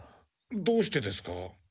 どうしてですか？